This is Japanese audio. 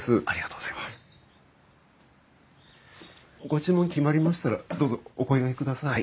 ご注文決まりましたらどうぞお声がけください。